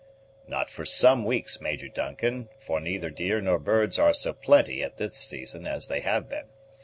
"Not for some weeks, Major Duncan, for neither deer nor birds are so plenty at this season as they have been.